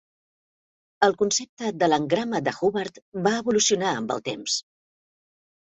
El concepte de l'engrama de Hubbard va evolucionar amb el temps.